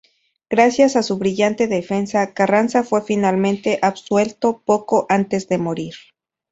Gracias a su brillante defensa, Carranza fue finalmente absuelto, poco antes de morir.